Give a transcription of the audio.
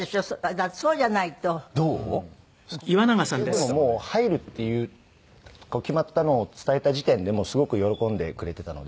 でももう入るっていう決まったのを伝えた時点ですごく喜んでくれていたので。